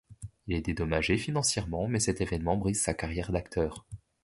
Il est dédommagé financièrement, mais cet évènement brise sa carrière d'acteur.